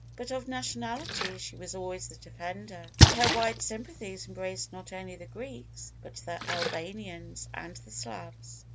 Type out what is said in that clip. But of nationalities she was always the defender, and her wide sympathies embraced not only the Greeks, but the Albanians and the Slavs.